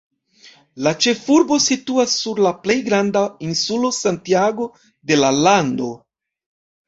La ĉefurbo situas sur la plej granda insulo Santiago de la lando.